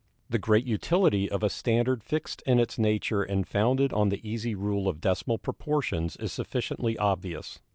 The great utility of a standard fixed in its nature and founded on the easy rule of decimal proportions is sufficiently obvious.